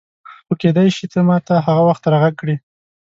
خو کېدای شي ته ما ته هغه وخت راغږ کړې.